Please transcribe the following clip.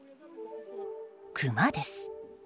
クマです。